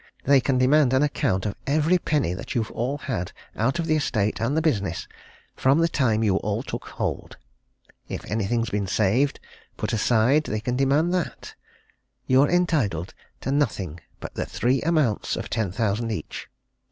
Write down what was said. They can demand an account of every penny that you've all had out of the estate and the business from the time you all took hold. If anything's been saved, put aside, they can demand that. You're entitled to nothing but the three amounts of ten thousand each.